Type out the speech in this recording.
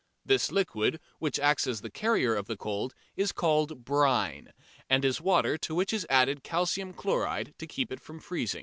This liquid, which acts as the carrier of the cold, is called "brine," and is water to which is added calcium chloride to keep it from freezing.